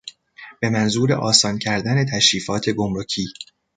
به منظور آسان کردن تشریفات گمرکی